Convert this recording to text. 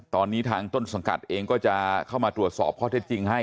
ตอนนี้ทางต้นสังกัดเองก็จะเข้ามาตรวจสอบข้อเท็จจริงให้